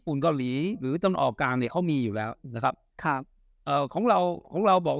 ยี่ปุ่นกาวนีหรือการออกการมีอยู่แล้วนะครับของเราของเราบอก